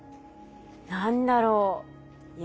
何だろう？